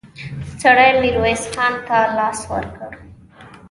سړي ميرويس خان ته لاس ورکړ.